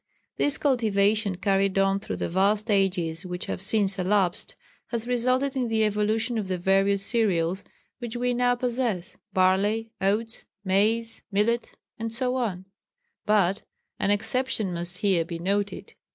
This cultivation carried on through the vast ages which have since elapsed has resulted in the evolution of the various cereals which we now possess barley, oats, maize, millet, etc. But an exception must here be noted.